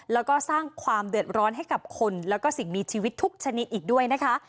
แล้วก็สร้างความเดือดร้อนให้กับคนแล้วก็สิ่งมีชีวิตทุกชนิดอีกด้วยนะคะ